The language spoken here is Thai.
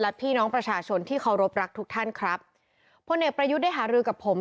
และพี่น้องประชาชนที่เคารพรักทุกท่านครับพลเอกประยุทธ์ได้หารือกับผม